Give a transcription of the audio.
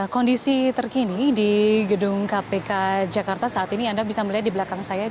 kondisi terkini di gedung kpk jakarta saat ini anda bisa melihat di belakang saya